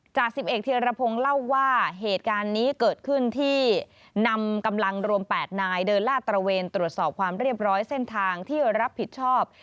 จาก๑๑เทียรพงศ์เล่าว่าเหตุการณ์นี้เกิดขึ้นที่นำกำลังรวม๘นายเดินลาดตระเวนตรวจสอบความเรียบร้อยเส้นทางที่รับผิดชอบ